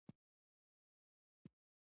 اوس دا سړى راغلى وو، چې ورسره ولاړه شې.